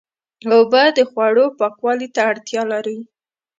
اوبه د خوړو پاکوالي ته اړتیا لري.